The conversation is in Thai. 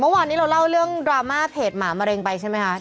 เมื่อวานนี้เราเล่าเรื่องดราม่าเพจหมามะเร็งไปใช่ไหมคะ